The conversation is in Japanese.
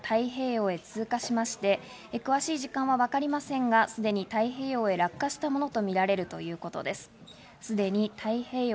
そしてその９分後、太平洋へ通過しまして、詳しい時間はわかりませんが、すでに太平洋へ落下したものとみられるということです。